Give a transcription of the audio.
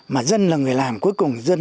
mà dân là người làm cuối cùng dân